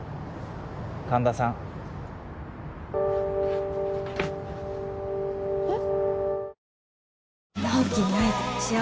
神田さんえっ？